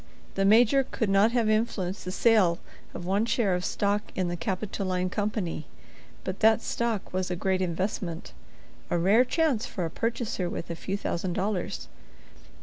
The Major could not have influenced the sale of one share of stock in the Capitoline Company. But that stock was a great investment; a rare chance for a purchaser with a few thousand dollars.